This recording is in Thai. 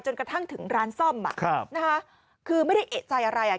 จนกระทั่งถึงล้านซ่อมอ่ะนะคะคือไม่ได้เอกใจอะไรอ่ะ